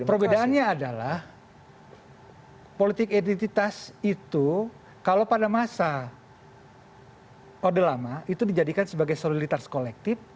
perbedaannya adalah politik identitas itu kalau pada masa ode lama itu dijadikan sebagai solidaritas kolektif